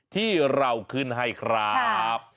ที่เราขึ้นให้ครับ